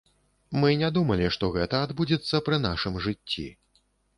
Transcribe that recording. Мы не думалі, што гэта адбудзецца пры нашым жыцці.